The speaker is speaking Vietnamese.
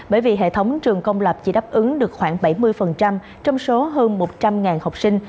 bởi vì hệ thống trường công lập chỉ đáp ứng được khoảng bảy mươi trong số hơn một trăm linh học sinh